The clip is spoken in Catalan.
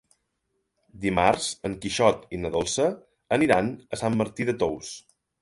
Dimarts en Quixot i na Dolça aniran a Sant Martí de Tous.